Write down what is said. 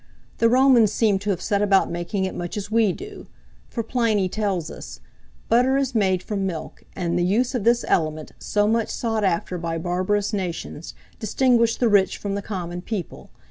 The Romans seem to have set about making it much as we do; for Pliny tells us, "Butter is made from milk; and the use of this element, so much sought after by barbarous nations, distinguished the rich from the common people.